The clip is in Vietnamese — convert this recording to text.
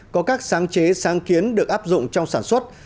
có các sáng chế sáng kiến được áp dụng trong sản xuất